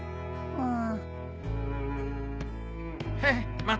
うん？